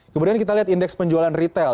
kemudian kita lihat indeks penjualan retail